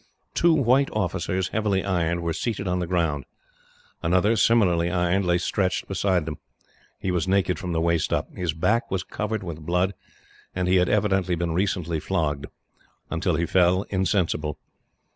Two white officers, heavily ironed, were seated on the ground. Another, similarly ironed, lay stretched beside them. He was naked from the waist up. His back was covered with blood, and he had evidently been recently flogged, until he fell insensible.